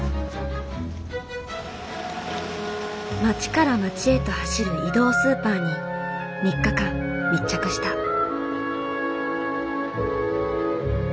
町から町へと走る移動スーパーに３日間密着した。